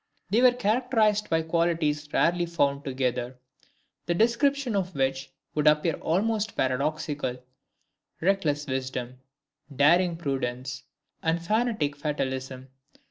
They were characterized by qualities rarely found together, the description of which would appear almost paradoxical: reckless wisdom, daring prudence, and fanatic fatalism.